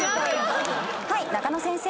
はい中野先生。